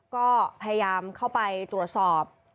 ก็พยายามเข้าไปตรวจสอบ